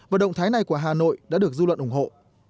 và động thái này của hà nội đã được dư luận ủng hộ